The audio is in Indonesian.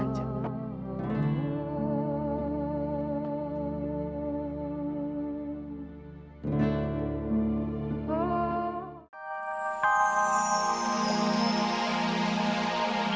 aja aku sudah berpakaian laki laki